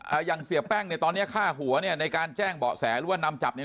อ่าอย่างเสียแป้งเนี่ยตอนเนี้ยฆ่าหัวเนี่ยในการแจ้งเบาะแสหรือว่านำจับเนี่ย